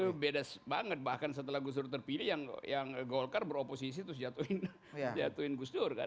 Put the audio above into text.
itu beda banget bahkan setelah gus dur terpilih yang golkar beroposisi terus jatuhin gus dur kan